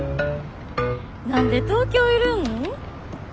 何で東京いるん？